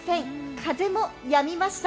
風もやみました。